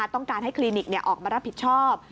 ต้องการให้คลินิกออกมารับผิดชอบ